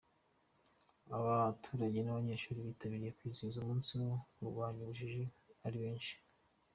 Abaturage n’abanyeshuri bitabiriye kwizihiza umunsi wo kurwanya ubujiji ari benshi.